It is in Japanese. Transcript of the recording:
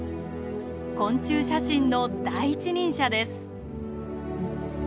昆虫写真の第一人者です。